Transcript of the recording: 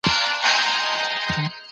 انټرنیټ ته لاسرسی د نویو حقونو برخه ګرځي.